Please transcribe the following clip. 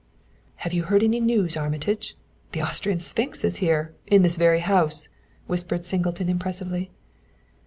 "Have you heard the news, Armitage? The Austrian sphinx is here in this very house!" whispered Singleton impressively.